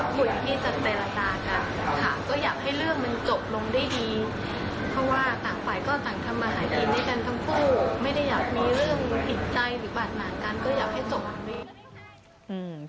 ไม่ได้อยากมีเรื่องผิดใจหรือบาดหมากกันก็อยากให้จบกันดี